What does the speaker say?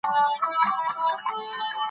مورغاب سیند د افغانانو د معیشت سرچینه ده.